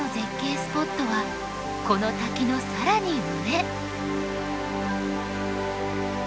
スポットはこの滝の更に上。